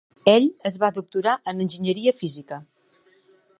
Ell es va doctorar en enginyeria física.